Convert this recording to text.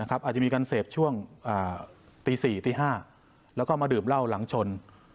อาจจะมีการเสพช่วงตี๔ตี๕แล้วก็มาดื่มเหล้าหลังชน